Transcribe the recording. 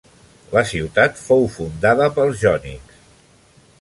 La ciutat fou fundada pels jònics.